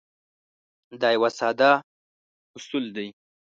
دا یو ساده اصول دی.